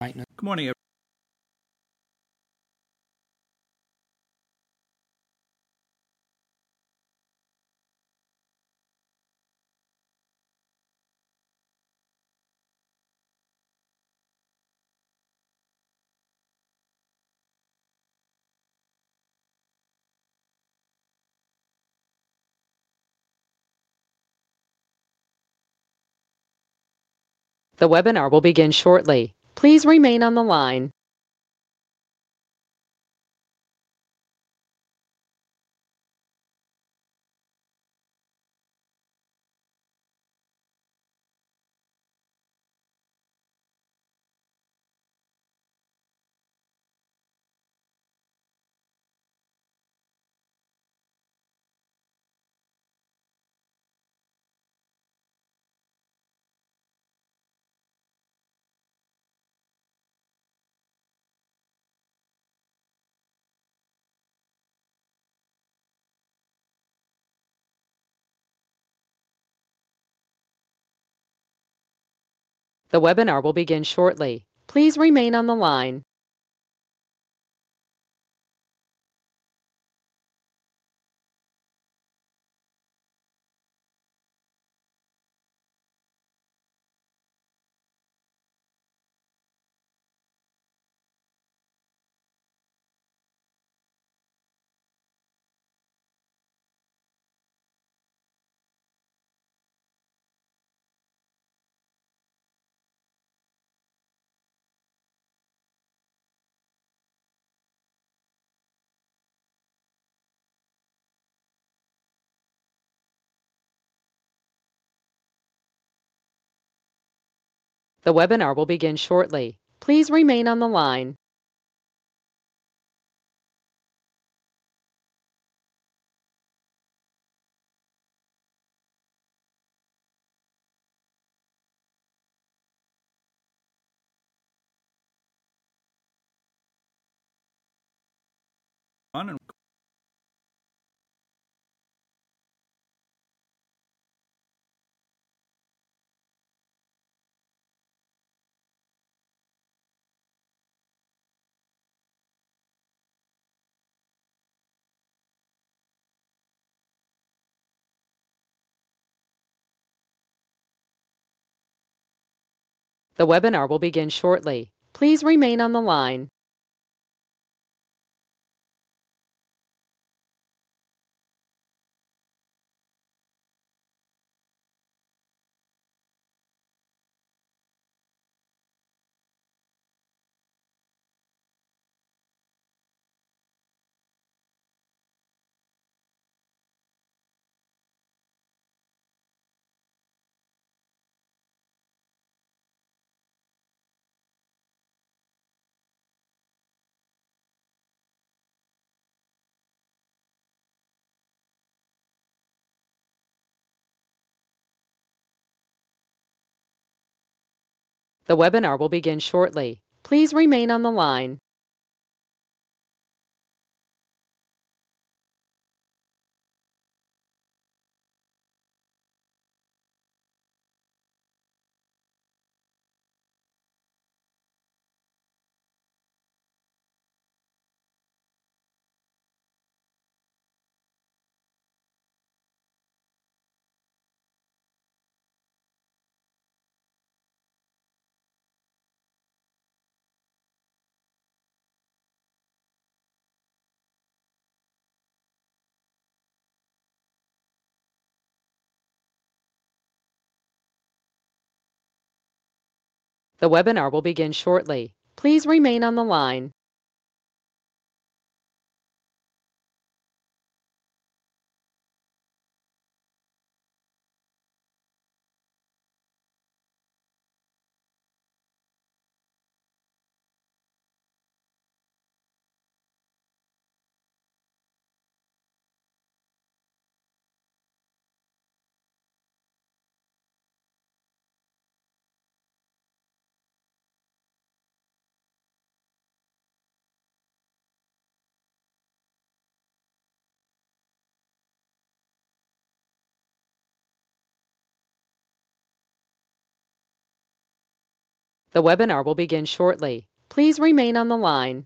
Right now. Good morning. The webinar will begin shortly. Please remain on the line. The webinar will begin shortly. Please remain on the line. The webinar will begin shortly. Please remain on the line. The webinar will begin shortly. Please remain on the line. The webinar will begin shortly. Please remain on the line. The webinar will begin shortly. Please remain on the line. The webinar will begin shortly. Please remain on the line.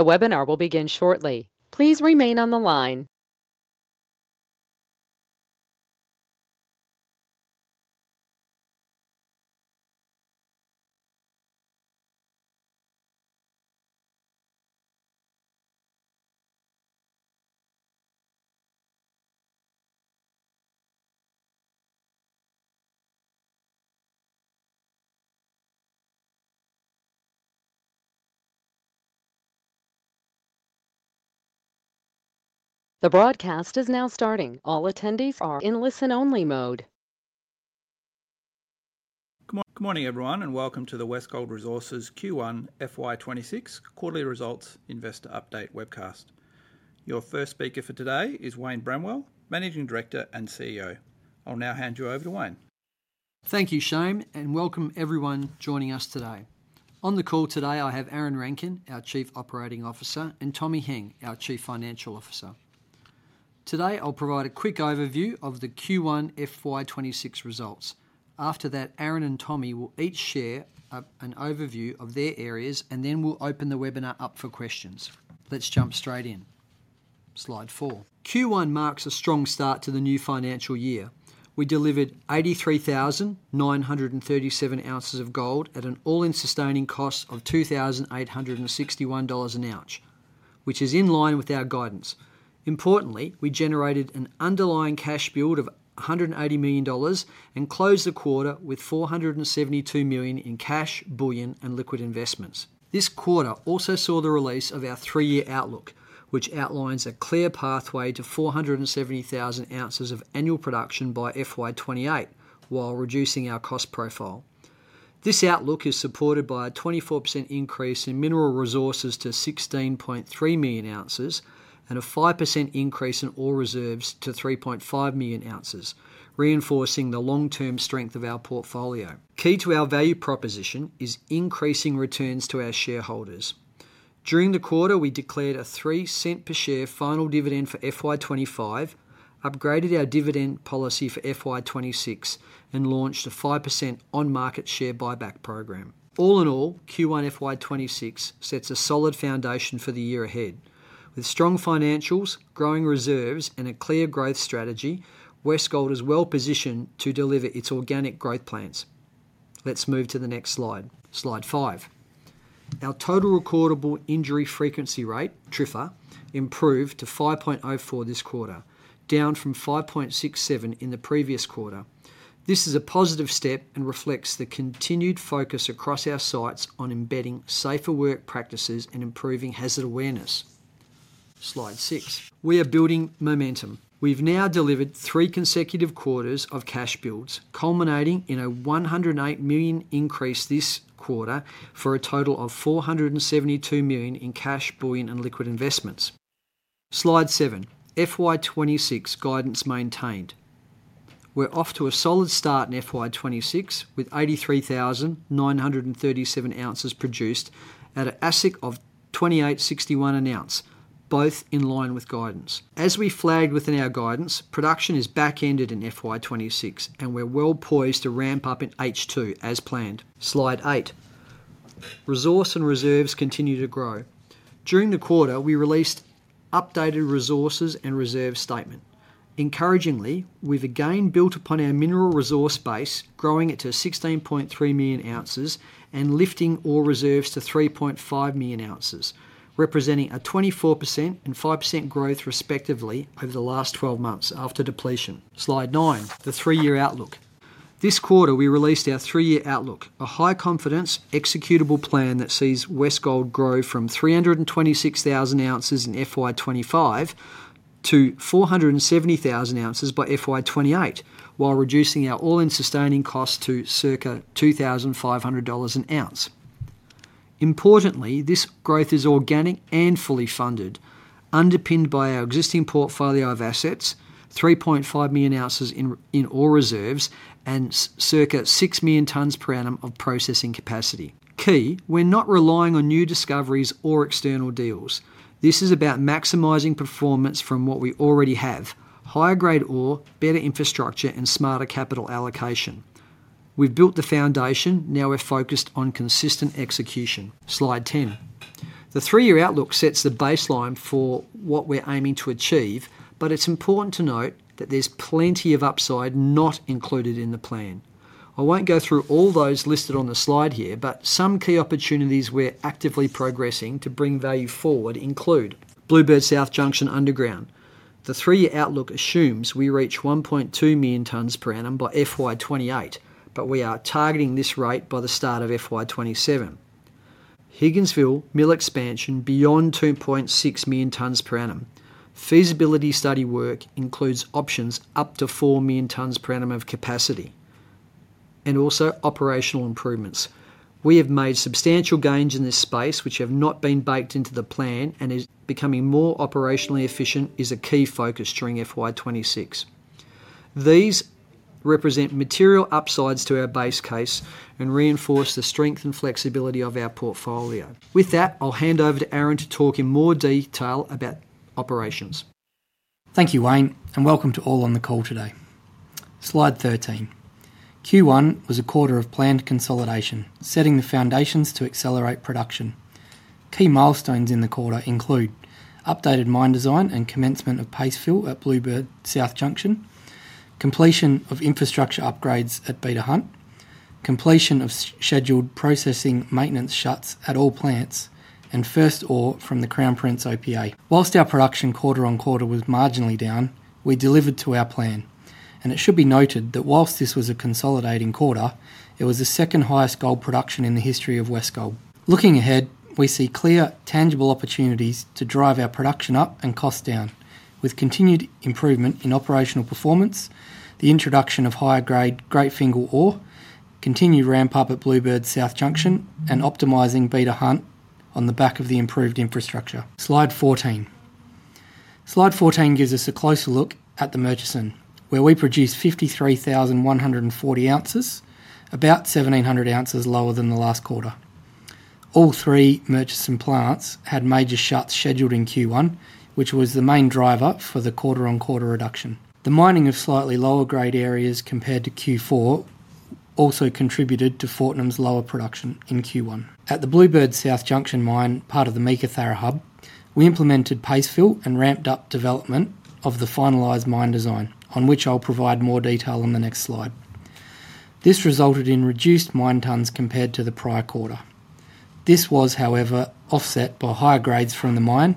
The webinar will begin shortly. Please remain on the line. The broadcast is now starting. All attendees are in listen-only mode. Good morning everyone, and welcome to the Westgold Resources Q1 FY 2026 quarterly results investor update webcast. Your first speaker for today is Wayne Bramwell, Managing Director and CEO. I'll now hand you over to Wayne. Thank you, [Shaim], and welcome everyone. Joining us today on the call, I have Aaron Rankine, our Chief Operating Officer, and Tommy Heng, our Chief Financial Officer. Today I'll provide a quick overview of the Q1 FY 2026 results. After that, Aaron and Tommy will each share an overview of their areas, and then we'll open the webinar up for questions. Let's jump straight in. Slide four. Q1 marks a strong start to the new financial year. We delivered 83,937 oz of gold at an all-in sustaining cost of 2,861 dollars an ounce, which is in line with our guidance. Importantly, we generated an underlying cash build of 180 million dollars and closed the quarter with 472 million in cash, bullion, and liquid investments. This quarter also saw the release of our three-year outlook, which outlines a clear pathway to 470,000 oz of annual production by FY 2028 while reducing our cost profile. This outlook is supported by a 24% increase in mineral resources to 16.3 million oz and a 5% increase in ore reserves to 3.5 million oz, reinforcing the strength of our portfolio. Key to our value proposition is increasing returns to our shareholders. During the quarter, we declared a 0.03 per share final dividend for FY 2025, upgraded our dividend policy for FY 2026, and launched a 5% on-market share buyback program. All in all, Q1 FY 2026 sets a solid foundation for the year ahead. With strong financials, growing reserves, and a clear growth strategy, Westgold is well positioned to deliver its organic growth plans. Let's move to the next slide. Slide five. Our total recordable injury frequency rate (TRIFR) improved to 5.04 this quarter, down from 5.67 in the previous quarter. This is a positive step and reflects the continued focus across our sites on embedding safer work practices and improving hazard awareness. Slide six. We are building momentum. We've now delivered three consecutive quarters of cash builds, culminating in a 108 million quarter for a total of 472 million in cash, bullion, and liquid investments. Slide seven. FY 2026 guidance maintained. We're off to a solid start in FY 2026 with 83,937 oz produced at an AISC of 2,861 an ounce, both in line with guidance. As we flagged within our guidance, production is back-ended in FY 2026, and we're well poised to ramp up in H2 as planned. Slide eight. Resources and reserves continue to grow. During the quarter, we released updated resources and reserves statement. Encouragingly, we've again built upon our mineral resource base, growing it to 16.3 million oz and lifting all reserves to 3.5 million oz, representing a 24% and 5% growth respectively over the last 12 months after depletion. Slide nine, the three-year outlook, this quarter we released our three-year outlook, a high confidence executable plan that sees Westgold grow from 326,000 oz in FY 2025 to 470,000 oz by FY 2028 while reducing our all-in sustaining cost to circa 2,500 dollars an ounce. Importantly, this growth is organic and fully funded, underpinned by our existing portfolio of assets, 3.5 million oz in ore reserves and circa 6 million tonnes per annum of processing capacity. Key, we're not relying on new discoveries or external deals. This is about maximizing performance from what we already have: higher grade ore, better infrastructure, and smarter capital allocation. We've built the foundation, now we're focused on consistent execution. Slide 10, the three-year outlook sets the baseline for what we're aiming to achieve, but it's important to note that there's plenty of upside not included in the plan. I won't go through all those listed on the slide here, but some key opportunities we're actively progressing to bring value forward include Bluebird South Junction underground. The three-year outlook assumes we reach 1.2 million tonnes per annum by FY 2028, but we are targeting this rate by the start of FY 2027. Higginsville mill expansion beyond 2.6 million tonnes per annum, feasibility study work includes options up to 4 million tonnes per annum of capacity and also operational improvements. We have made substantial gains in this space which have not been baked into the plan, and becoming more operationally efficient is a key focus during FY 2026. These represent material upsides to our base case and reinforce the strength and flexibility of our portfolio. With that, I'll hand over to Aaron to talk in more detail about operations. Thank you Wayne and welcome to all on the call today. Slide 13. Q1 was a quarter of planned consolidation setting the foundations to accelerate production. Key milestones in the quarter include updated mine design and commencement of paste fill at Bluebird South Junction, completion of infrastructure upgrades at Beta Hunt, completion of scheduled processing maintenance shuts at all plants, and first ore from the Crown Prince OPA. Whilst our production quarter on quarter was marginally down, we delivered to our plan and it should be noted that whilst this was a consolidating quarter, it was the second highest gold production in the history of Westgold. Looking ahead, we see clear tangible opportunities to drive our production up and cost down with continued improvement in operational performance. The introduction of higher grade Great Fingall, ongoing continued ramp up at Bluebird South Junction, and optimizing Beta Hunt on the back of the improved infrastructure. Slide 14. Slide 14 gives us a closer look at the Murchison where we produced 53,140 oz, about 1,700 oz lower than the last quarter. All three Murchison plants had major shuts scheduled in Q1, which was the main driver for the quarter on quarter reduction. The mining of slightly lower grade areas compared to Q4 also contributed to Fortnum's lower production in Q1. At the Bluebird South Junction mine, part of the Meekatharra hub, we implemented paste fill and ramped up development of the finalized mine design, on which I'll provide more detail on the next slide. This resulted in reduced mine tonnes compared to the prior quarter. This was, however, offset by higher grades from the mine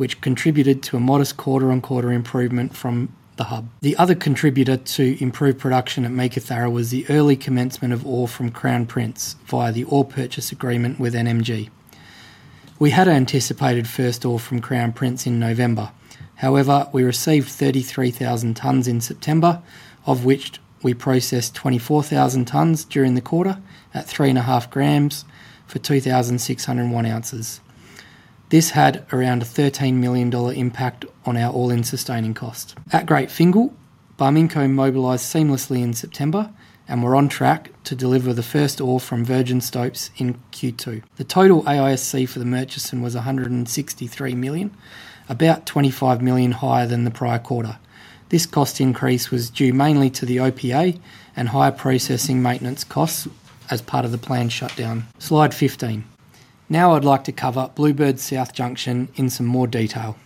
which contributed to a modest quarter on quarter improvement from the hub. The other contributor to improved production at Meekatharra was the early commencement of ore from Crown Prince via the ore purchase agreement with NMG. We had anticipated first ore from Crown Prince in November, however we received 33,000 tonnes in September of which we processed 24,000 tonnes during the quarter at 3.5 g for 2,601 oz. This had around a 13 million dollar impact on our all-in sustaining cost at Great Fingall. Barminco mobilized seamlessly in September and we're on track to deliver the first ore from virgin stopes in Q2. The total AISC for the Murchison was 163 million, about 25 million higher than the prior quarter. This cost increase was due mainly to the ore purchase agreement and higher processing maintenance costs as part of the planned shutdown. Slide 15. Now I'd like to cover Bluebird South Junction in some more detail.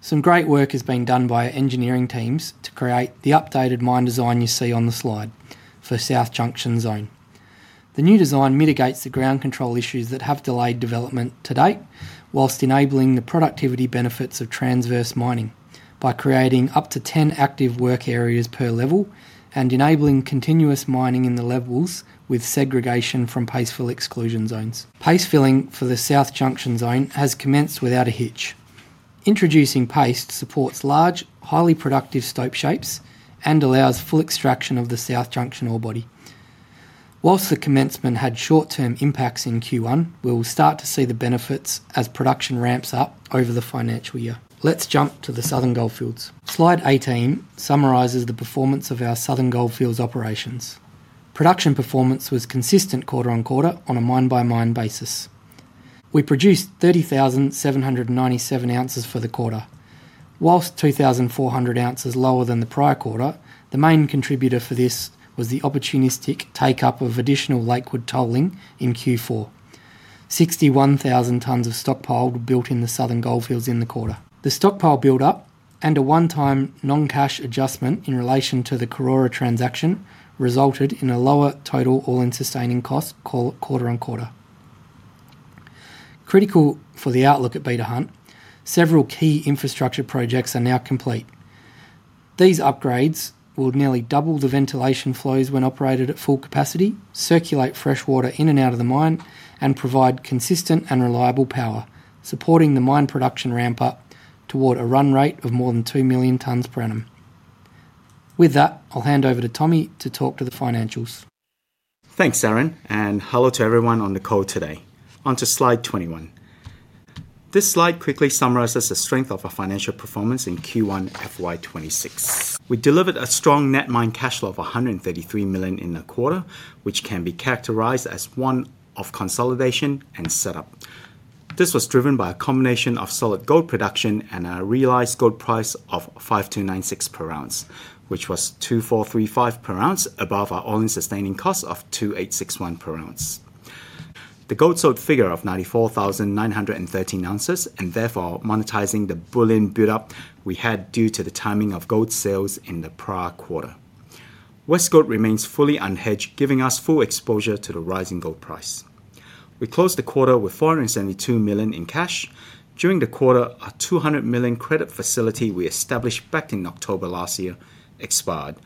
Some great work has been done by our engineering teams to create the updated mine design you see on the slide for South Junction Zone. The new design mitigates the ground control issues that have delayed development to date, whilst enabling the productivity benefits of transverse mining by creating up to 10 active work areas per level and enabling continuous mining in the levels with segregation from paste fill exclusion zones. Paste filling for the South Junction zone has commenced without a hitch. Introducing paste supports large, highly productive stope shapes and allows full extraction of the South Junction ore body. Whilst the commencement had short-term impacts in Q1, we will start to see the benefits as production ramps up over the financial year. Let's jump to the Southern Goldfields. Slide 18 summarizes the performance of our Southern Goldfields operations. Production performance was consistent quarter on quarter. On a mine-by-mine basis, we produced 30,797 oz for the quarter, whilst 2,400 oz lower than the prior quarter. The main contributor for this was the opportunistic take up of additional Lakewood tolling in Q4. 61,000 tonnes of stock built in the Southern Goldfields in the quarter. The stockpile buildup and a one-time non-cash adjustment in relation to the Karora transaction resulted in a lower total all-in sustaining cost. Call it quarter on quarter. Critical for the outlook at Beta Hunt. Several key infrastructure projects are now complete. These upgrades will nearly double the ventilation flows when operated at full capacity, circulate fresh water in and out of the mine, and provide consistent and reliable power supporting the mine production ramp up toward a run rate of more than 2 million tonnes per annum. With that, I'll hand over to Tommy to talk to the financials. Thanks Aaron and hello to everyone on the call today. On to slide 21. This slide quickly summarizes the strength of our financial performance in Q1 FY 2026. We delivered a strong net mined cash flow of 133 million in the quarter, which can be characterized as one of consolidation and setup. This was driven by a combination of solid gold production and a realized gold price of 5,296 per ounce, which was 2,435 per ounce above our all-in sustaining cost of 2,861 per ounce. The gold sold figure of 94,913 oz and therefore monetizing the bullion build up we had due to the timing of gold sales in the prior quarter. Westgold remains fully unhedged, giving us full exposure to the rising gold price. We closed the quarter with 472 million in cash. During the quarter, a 200 million credit facility we established back in October last year expired,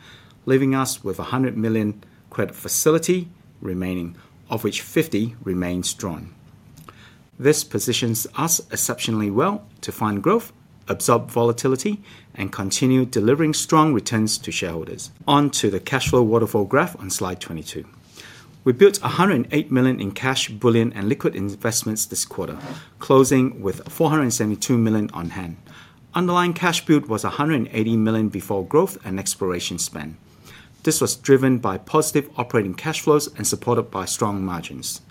leaving us with a 100 million credit facility remaining, of which 50 million remain strong. This positions us exceptionally well to fund growth, absorb volatility, and continue delivering strong returns to shareholders. On to the cash flow waterfall graph on slide 22. We built 108 million in cash, bullion, and liquid investments this quarter, closing with 472 million on hand. Underlying cash build was 180 million before growth and exploration spend. This was driven by positive operating cash flows and supported by strong margins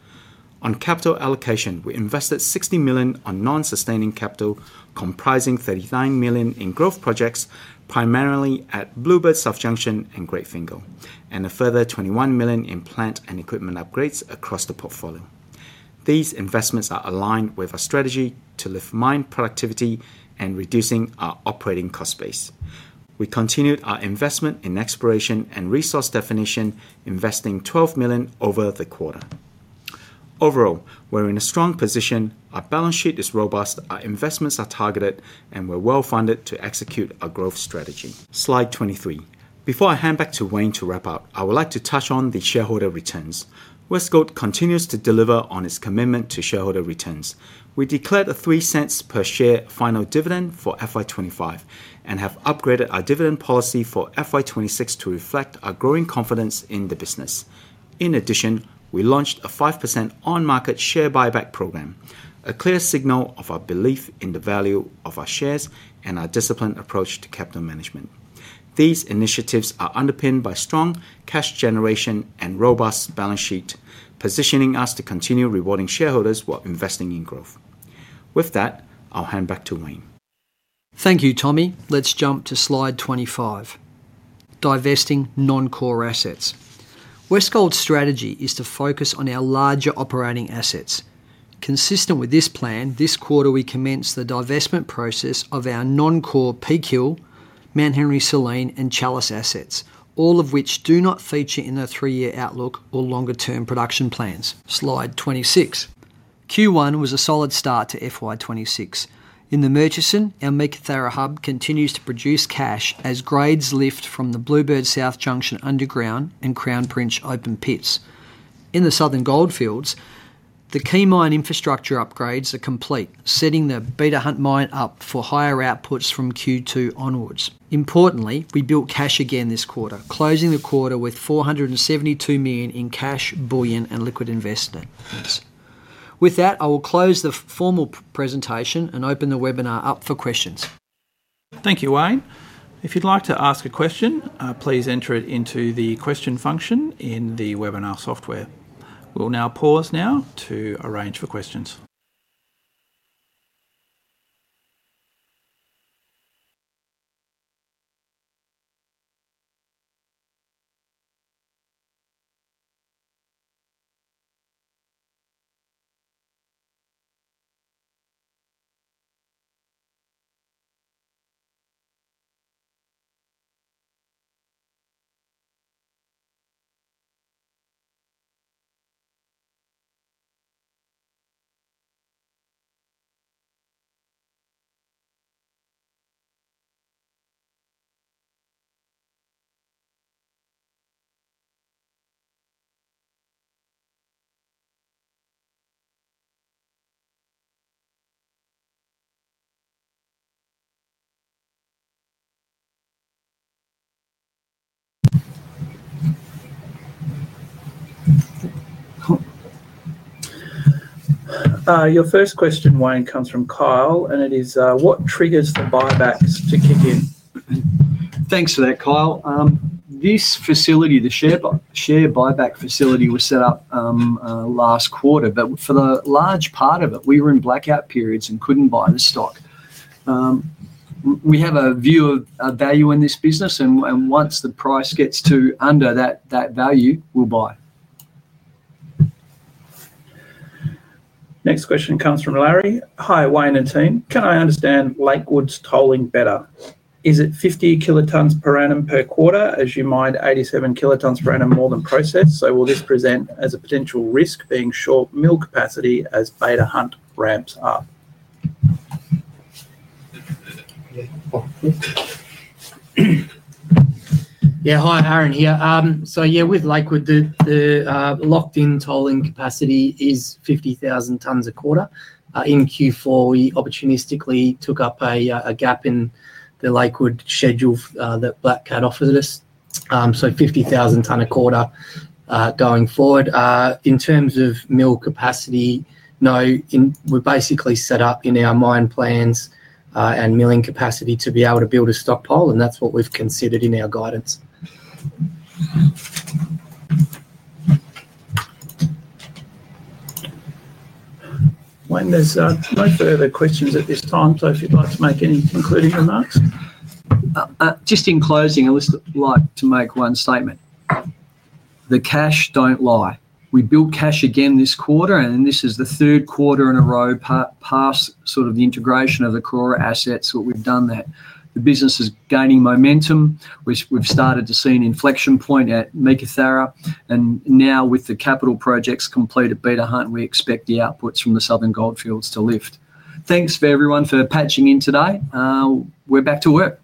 on capital allocation. We invested 60 million on non-sustaining capital, comprising 39 million in growth projects primarily at Bluebird South Junction and Great Fingall, and a further 21 million in plant and equipment upgrades across the portfolio. These investments are aligned with our strategy to lift mine productivity and reduce our operating cost base. We continued our investment in exploration and resource definition, investing 12 million over the quarter. Overall, we're in a strong position, our balance sheet is robust, our investments are targeted, and we're well funded to execute our growth strategy. Slide 23. Before I hand back to Wayne to wrap up, I would like to touch on the shareholder returns. Westgold continues to deliver on its commitment to shareholder returns. We declared a 0.03 per share final dividend for FY 2025 and have upgraded our dividend policy for FY 2026 to reflect our growing confidence in the business. In addition, we launched a 5% on-market share buyback program, a clear signal of our belief in the value of our shares and our disciplined approach to capital management. These initiatives are underpinned by strong cash generation and a robust balance sheet, positioning us to continue rewarding shareholders while investing in growth. With that, I'll hand back to Wayne. Thank you, Tommy. Let's jump to slide 25, divesting non-core assets. Westgold's strategy is to focus on our larger operating assets. Consistent with this plan, this quarter we commenced the divestment process of our non-core Peak, Hill, Mount Henry, Saline, and Chalice assets, all of which do not feature in the three-year outlook or longer-term production plans. Slide 26. Q1 was a solid start to FY 2026 in the Murchison. Our Meekatharra hub continues to produce cash as grades lift from the Bluebird South Junction underground and Crown Prince open pits in the southern gold fields. The key mine infrastructure upgrades are complete, setting the Beta Hunt mine up for higher outputs from Q2 onwards. Importantly, we built cash again this quarter, closing the quarter with 472 million in cash, bullion, and liquid investments. With that, I will close the formal presentation and open the webinar up for questions. Thank you, Wayne. If you'd like to ask a question, please enter it into the question function in the webinar software. We will now pause to arrange for questions. Your first question, Wayne, comes from Kyle, and it is what triggers the buybacks to kick in. Thanks for that, Kyle. This on-market share buyback program was set up last quarter, but for the large part of it we were in blackout periods and couldn't buy the stock. We have a view of value in this business, and once the price gets to under that value we'll buy. Next question comes from Larry. Hi Wayne and team. Can I understand Lakewood's tolling better? Is it 50 kilotons per annum per quarter as you mined 87 kilotons per annum more than processed. Will this present as a potential risk being short mill capacity as Beta Hunt ramps up? Yeah, hi, Aaron here. With Lakewood, the locked-in tolling capacity is 50,000 tons a quarter. In Q4, we opportunistically took up a gap in the Lakewood schedule that Black Cat offers us. 50,000 tons a quarter going forward in terms of mill capacity? No, we're basically set up in our mining and milling capacity to be able to build a stockpile, and that's what we've considered in our guidance. Wayne, there's no further questions at this time. If you'd like to make any concluding remarks. Just in closing I would like to make one statement. The cash don't lie. We built cash again this quarter and this is the third quarter in a row past sort of the integration of the Karora assets. What we've done is that the business is gaining momentum. We've started to see an inflection point at Meekatharra and now with the capital projects completed at Beta Hunt we expect the outputs from the southern gold fields to lift. Thanks for everyone for patching in today. We're back to work.